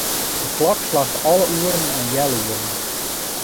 De klok slacht alle oeren en healoeren.